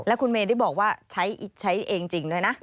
คุณเมย์ได้บอกว่าใช้เองจริงด้วยนะ